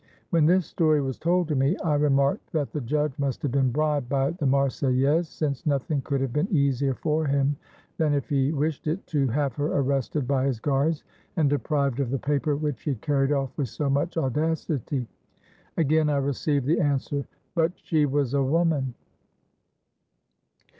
When this story was told to me, I remarked that the judge must have been bribed by the Marseillaise, since nothing could have been easier for him than, if he wished it, to have her arrested by his guards, and deprived of the paper which she had carried off with so much audacity. Again I received the answer: 'But she was a woman!'"